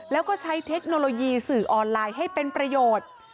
แล้วก็ใช้เทคโนโลยีสื่อออนไลน์ให้เป็นประโยชน์